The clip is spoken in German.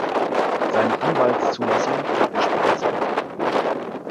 Seine Anwaltszulassung gab er später zurück.